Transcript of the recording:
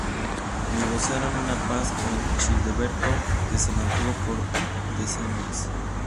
Negociaron una paz con Childeberto que se mantuvo por decenios.